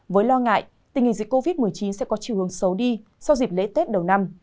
với lo ngại tình hình dịch covid một mươi chín sẽ có chiều hướng xấu đi sau dịp lễ tết đầu năm